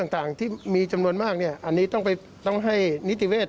มันเกิดจากอะไรยังไงได้บ้างนะครับ